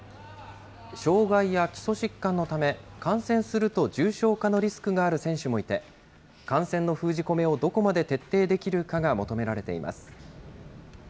障害や基礎疾患のため、感染すると重症化のリスクがある選手もいて、感染の封じ込めをどこまで徹底できるかが求められています。